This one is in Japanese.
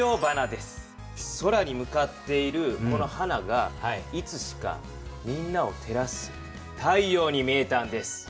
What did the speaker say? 空に向かっているこの花がいつしかみんなを照らす太陽に見えたんです。